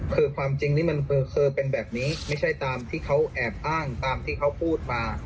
คือความจริงนี่มันคือเป็นแบบนี้ไม่ใช่ตามที่เขาแอบอ้างตามที่เขาพูดมา